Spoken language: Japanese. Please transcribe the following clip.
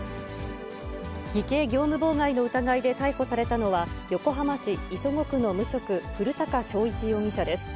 偽計業務妨害の疑いで逮捕されたのは、横浜市磯子区の無職、古高正一容疑者です。